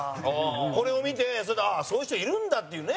これを見て、それでそういう人いるんだっていうね。